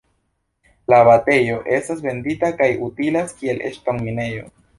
La abatejo estas vendita kaj utilas kiel ŝtonminejo.